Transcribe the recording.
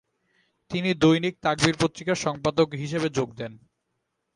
তিনি দৈনিক তাকবির পত্রিকার সম্পাদক হিসেবে যোগ দেন।